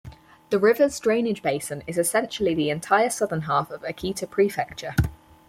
The river's drainage basin is essentially the entire southern half of Akita Prefecture.